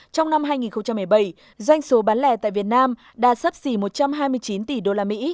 trong năm hai nghìn một mươi bảy doanh số bán lẻ tại việt nam đã sắp xỉ một trăm hai mươi chín tỷ usd